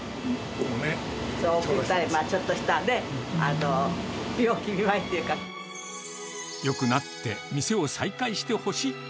ちょっとしたね、病気見舞いよくなって店を再開してほしい。